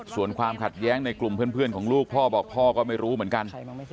ส่วนความขัดแย้งในกลุ่มเพื่อนของลูกพ่อบอกพ่อก็ไม่รู้เหมือนกัน